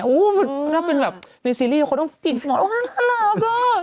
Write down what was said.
อู้วน่าเป็นแบบในซีรีส์คนต้องกินหมอนี่น่ารัก